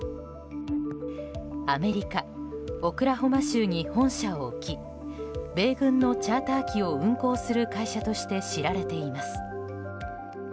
アメリカ・オクラホマ州に本社を置き米軍のチャーター機を運航する会社として知られています。